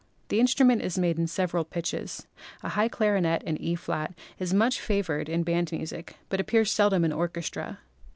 The instrument is made in several pitches. A high clarinet in E& is much favored in band music, but appears seldom in orchestra.